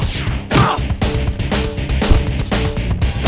kau harus hafal penuh ya